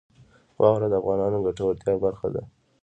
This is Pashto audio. واوره د افغانانو د ګټورتیا برخه ده.